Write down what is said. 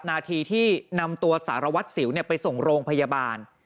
นาทีที่นำตัวสารวัตรสิวไปส่งโรงพยาบาล